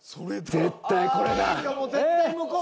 絶対これだ！